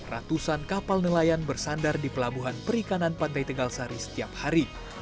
ratusan kapal nelayan bersandar di pelabuhan perikanan pantai tegalsari setiap hari